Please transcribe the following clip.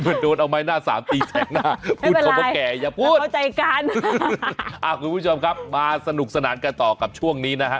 ไม่โดนเอาไม้หน้าสามตีแสะหน้าไม่เป็นไรพูดกับพ่อแก่อย่าพูดเมื่อเข้าใจกันคุณผู้ชมครับมาสนุกสนับไปต่อกับช่วงนี้นะฮะ